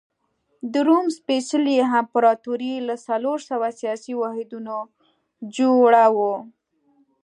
د روم سپېڅلې امپراتوري له څلور سوه سیاسي واحدونو جوړه وه.